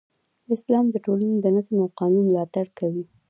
اسلام د ټولنې د نظم او قانون ملاتړ کوي.